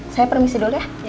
saya permisi dulu ya